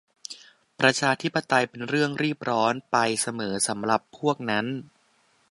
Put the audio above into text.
ประชาธิปไตยเป็นเรื่องรีบร้อนไปเสมอสำหรับพวกนั้น